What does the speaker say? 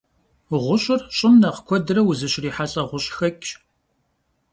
Ğuş'ır ş'ım nexh kuedre vuzışrihelh'e ğuş'xeç'ş.